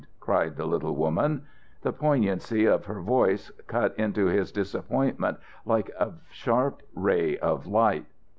cried the little woman. The poignancy of her voice cut into his disappointment like a sharp ray of light.